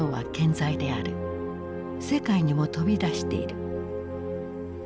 世界にも飛び出している。